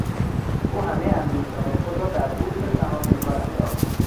او همهی اندوختههای خود را در بورس سهام به کار انداخت.